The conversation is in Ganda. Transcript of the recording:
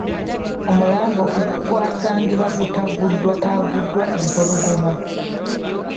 Omulambo gwe gw’asangibwa gutaaguddwataaguddwa empologoma.